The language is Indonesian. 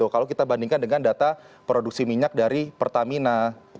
kalau kita bandingkan dengan data produksi minyak dari pertamina